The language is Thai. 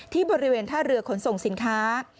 ที่บริเวณท่าเรือขนส่งสินค้า